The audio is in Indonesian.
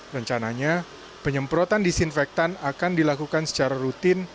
rencananya penyemprotan disinfektan akan dilakukan secara rutin